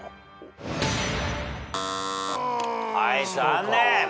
はい残念。